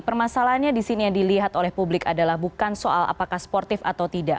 permasalahannya di sini yang dilihat oleh publik adalah bukan soal apakah sportif atau tidak